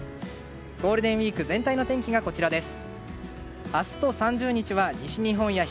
ゴールデンウィーク全体の天気です。